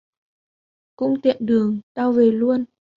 cũng tiện đường tao về luôn